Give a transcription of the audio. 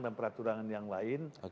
dan peraturan yang lain